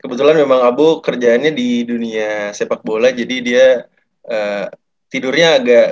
kebetulan memang abu kerjaannya di dunia sepak bola jadi dia tidurnya agak